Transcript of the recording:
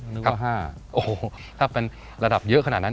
ว่า๕โอ้โหถ้าเป็นระดับเยอะขนาดนั้น